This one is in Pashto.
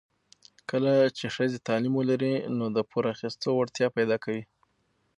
کله چې ښځه تعلیم ولري، نو د پور اخیستو وړتیا پیدا کوي.